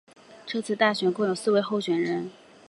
这次大选共有四位候选人。